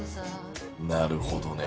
なるほどね。